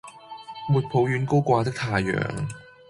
沒抱怨高掛的太陽